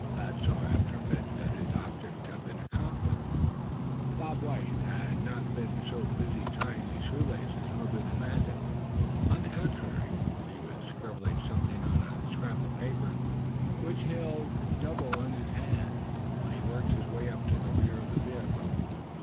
Thad saw after a bit that his object had been accomplished. Bob White had not been so busy tying his shoestring as Reuben imagined. On the contrary he was scribbling something on a scrap of paper, which he held doubled up in his hand when he worked his way to the rear of the vehicle.